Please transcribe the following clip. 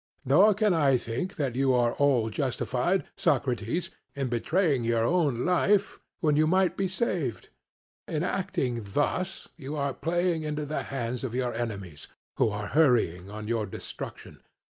Nor can I think that you are at all justified, Socrates, in betraying your own life when you might be saved; in acting thus you are playing into the hands of your enemies, who are hurrying on your destruction.